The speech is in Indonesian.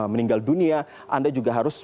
meninggal dunia anda juga harus